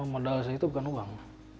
modal saya itu bukan uang